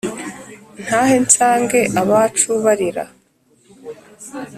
ntahe nsange abacu barira